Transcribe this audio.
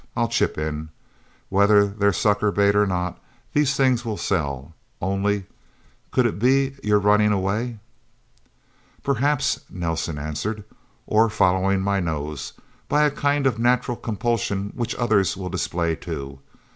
I'll chip in. Whether they're sucker bait or not, these things will sell. Only could it be you're running away?" "Perhaps," Nelsen answered. "Or following my nose by a kind of natural compulsion which others will display, too.